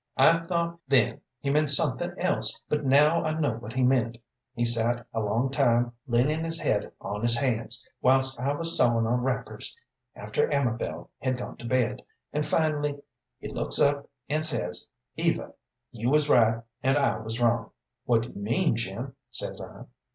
I thought then he meant something else, but now I know what he meant. He sat a long time leanin' his head on his hands, whilst I was sewin' on wrappers, after Amabel had gone to bed, and finally he looks up and says, 'Eva, you was right and I was wrong.' "'What do you mean, Jim?' says I.